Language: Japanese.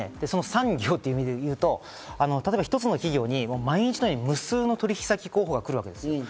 産業という意味で言うと、一つの企業に毎日のように無数の取引先候補が来るわけです。